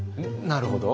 なるほど。